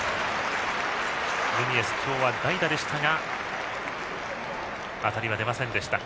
ヌニエス、今日は代打でしたが当たりは出ませんでした。